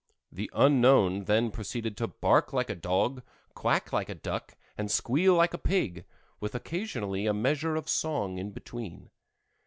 The unknown then proceeded to bark like a dog, quack like a duck, and squeal like a pig, with occasionally a measure of song in between.